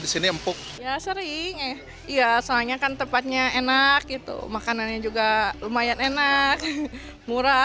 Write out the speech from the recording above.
di sini empuk ya sering iya soalnya kan tempatnya enak itu makanannya juga lumayan enak murah